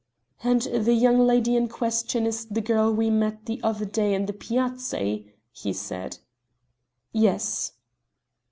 "And the young lady in question is the girl we met the other day in the Piazzi?" he said. "Yes."